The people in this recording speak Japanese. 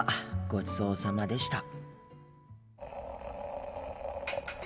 ごちそうさまでした。